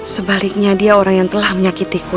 sebaliknya dia orang yang telah menyakitiku